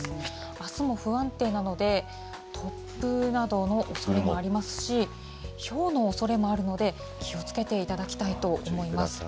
あすも不安定なので、突風などのおそれもありますし、ひょうのおそれもあるので、気をつけていただきたいと思います。